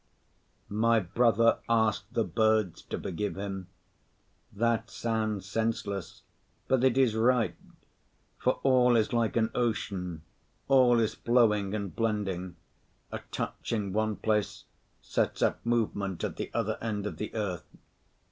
My brother asked the birds to forgive him; that sounds senseless, but it is right; for all is like an ocean, all is flowing and blending; a touch in one place sets up movement at the other end of the earth.